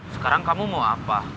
sekarang kamu mau apa